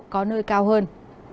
có nơi cao hơn